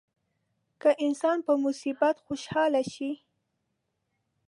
که انسان په مصیبت خوشاله شي.